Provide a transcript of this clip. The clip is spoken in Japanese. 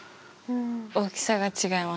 大きさが違います。